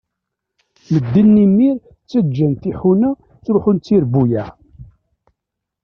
Medden imir ttaǧǧan tiḥuna, ttruḥun d tirbuyaε.